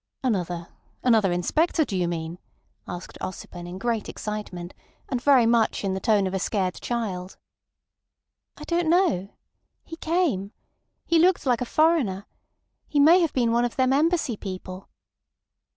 "Another—another inspector, do you mean?" asked Ossipon, in great excitement, and very much in the tone of a scared child. "I don't know. He came. He looked like a foreigner. He may have been one of them Embassy people."